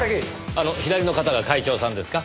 あの左の方が会長さんですか？